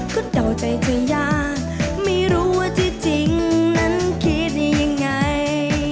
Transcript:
ก็เดาใจเธอยากไม่รู้ว่าที่จริงนั้นคิดได้ยังไง